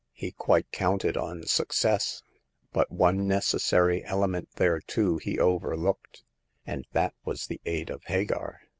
He quite counted on suc cess, but one necessary element thereto he over looked, and that was the aid of Hagar.